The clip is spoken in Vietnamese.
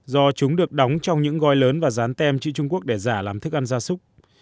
do chúng được đóng trong những gói lớn và dán tem chữ trung quốc để giả làm thức ăn gia súc